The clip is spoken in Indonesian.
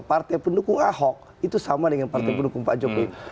partai pendukung ahok itu sama dengan partai pendukung pak jokowi